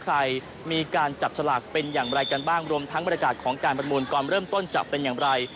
ใครมีการจับฉลากเป็นอย่างไรกันบ้างรวมทั้งบรรยากาศของการประมูลก่อนเริ่มต้นจะเป็นอย่างไร